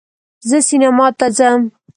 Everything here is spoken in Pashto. زه سینما ته ځم